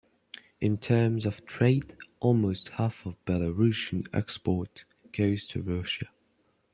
In terms of trade, almost half of Belarusian export goes to Russia.